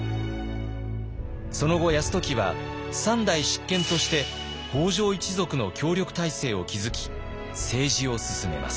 その後泰時は３代執権として北条一族の協力体制を築き政治を進めます。